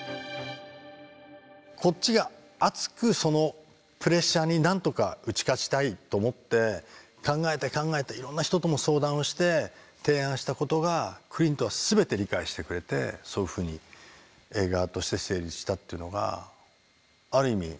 こっちが熱くそのプレッシャーに何とか打ち勝ちたいと思って考えて考えていろんな人とも相談をして提案したことがクリントは全て理解してくれてそういうふうに映画として成立したっていうのがある意味